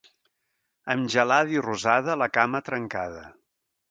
Amb gelada i rosada, la cama trencada.